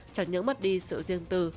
chẳng những mất đi sự riêng tư